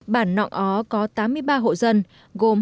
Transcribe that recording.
bản nọng ó có tám mươi ba hộ dân gồm hai dân tộc thái và khơ mú